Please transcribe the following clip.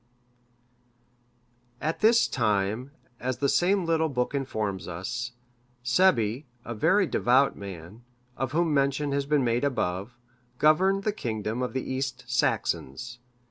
D.] At that time, as the same little book informs us, Sebbi,(587) a very devout man, of whom mention has been made above, governed the kingdom of the East Saxons.